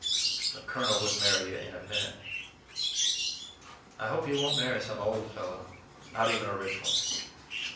"The Colonel would marry you in a minute. I hope you won't marry some old fellow; not even a rich one."